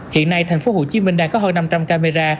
hiện nay thành phố hồ chí minh đang có hơn năm trăm linh camera